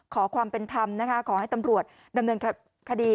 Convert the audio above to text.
ขอความเป็นธรรมนะคะขอให้ตำรวจดำเนินคดี